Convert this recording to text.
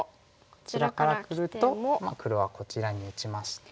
こちらからくると黒はこちらに打ちまして。